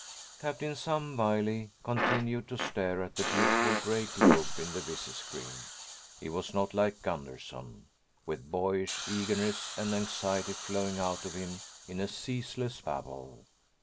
———— Captain Sam Wiley continued to stare at the beautiful gray globe in the visi screen. He was not like Gunderson, with boyish eagerness and anxiety flowing out of him in a ceaseless babble.